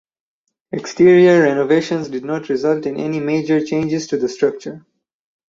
Exterior renovations did not result in any major changes to the structure.